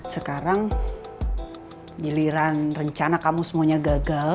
sekarang giliran rencana kamu semuanya gagal